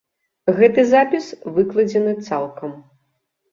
Гэты запіс выкладзены цалкам.